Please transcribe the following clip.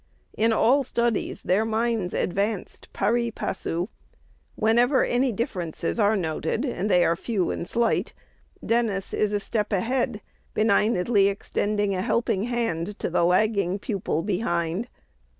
In all studies their minds advanced pari passu. Whenever any differences are noted (and they are few and slight), Dennis is a step ahead, benignantly extending a helping hand to the lagging pupil behind.